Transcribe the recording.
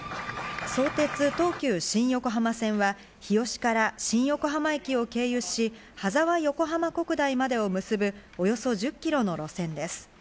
相鉄・東急新横浜線は日吉から新横浜駅を経由し、羽沢横浜国大までを結ぶおよそ１０キロの路線です。